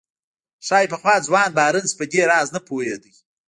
ښايي پخوا ځوان بارنس په دې راز نه پوهېده.